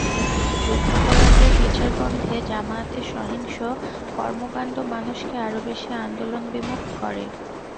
যুদ্ধাপরাধের বিচার বন্ধে জামায়াতের সহিংস কর্মকাণ্ড মানুষকে আরও বেশি আন্দোলনবিমুখ করে।